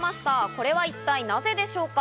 これは一体なぜでしょうか？